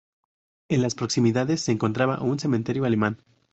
En las proximidades se encontraba un cementerio alemán.